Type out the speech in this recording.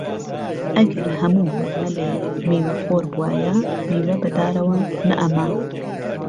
ئەگەر هەموو مەلێ میوەخۆر بوایە، میوە بەدارەوە نەئەما